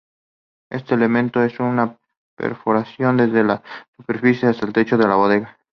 Este elemento es una perforación desde la superficie hasta el techo de la bodega.